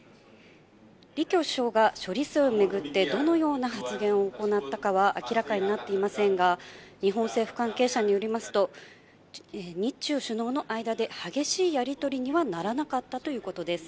李強首相が処理水を巡って、どのような発言を行ったかは明らかになっていませんが、日本政府関係者によりますと、日中首脳の間で激しいやり取りにはならなかったということです。